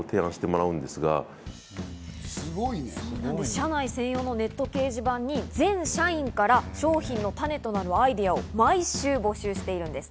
社内専用のネット掲示板に全社員から商品の種となるアイデアを毎週募集しています。